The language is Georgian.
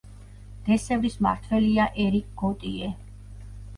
დე-სევრის მმართველია ერიკ გოტიე.